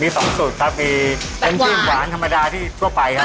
มีสองสูตรครับมีเป็นชื่อหวานธรรมดาที่ทั่วไปครับ